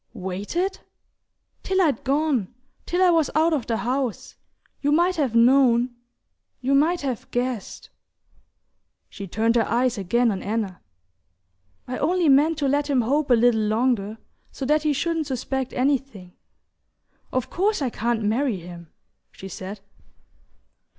"Waited?" "Till I'd gone: till I was out of the house. You might have known ... you might have guessed..." She turned her eyes again on Anna. "I only meant to let him hope a little longer, so that he shouldn't suspect anything; of course I can't marry him," she said.